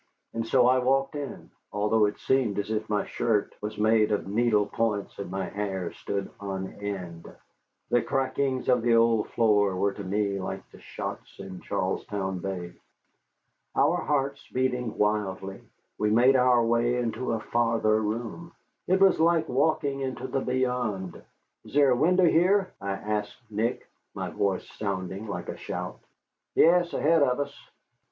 And so I walked in, although it seemed as if my shirt was made of needle points and my hair stood on end. The crackings of the old floor were to me like the shots in Charlestown Bay. Our hearts beating wildly, we made our way into a farther room. It was like walking into the beyond. "Is there a window here?" I asked Nick, my voice sounding like a shout. "Yes, ahead of us."